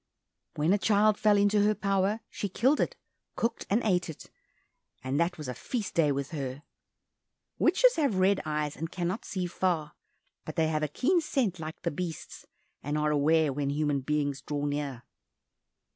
When a child fell into her power, she killed it, cooked and ate it, and that was a feast day with her. Witches have red eyes, and cannot see far, but they have a keen scent like the beasts, and are aware when human beings draw near.